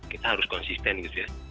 kita harus konsisten gitu ya